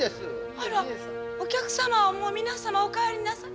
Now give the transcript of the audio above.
あらお客様はもう皆様お帰りなさい。